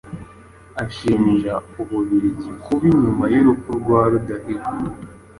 Abashinja u Bubiligi kuba inyuma y’urupfu rwa Rudahigwa,